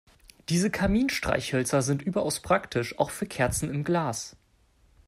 Diese Kaminstreichhölzer sind überaus praktisch, auch für Kerzen im Glas.